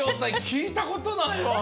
きいたことないわ！